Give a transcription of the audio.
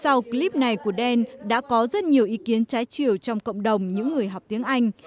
sau clip này của đen đã có rất nhiều ý kiến trái chiều trong cộng đồng những người học tiếng anh